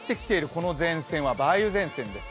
この前線は梅雨前線です。